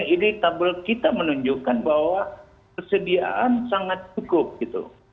ini tabel kita menunjukkan bahwa kesediaan sangat cukup gitu